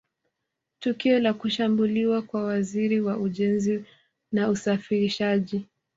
Tukio la kushambuliwa kwa Waziri wa Ujenzi na Usafirishaji